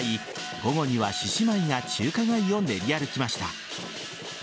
午後には獅子舞が中華街を練り歩きました。